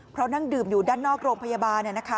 เพราะนั่งดื่มอยู่ด้านนอกโรงพยาบาล